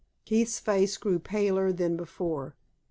Keith's face grew paler than before.